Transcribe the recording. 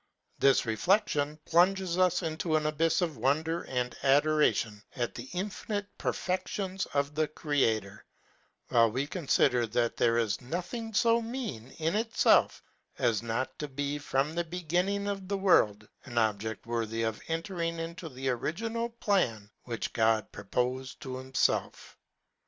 This reflection plunges us into an abyfs of wonder and adoration at the infinite perfections of the Crea tor ; while we confider that there is nothing fo mean in itfelf as not to be, from the beginning of the world, an object worthy of entering into the origi nal plan which God propofed to himfelf.